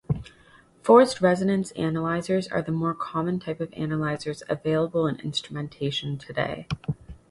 Forced resonance analyzers are the more common type of analyzers available in instrumentation today.